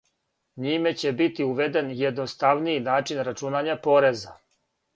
Њиме ће бити уведен једноставнији начин рачунања пореза.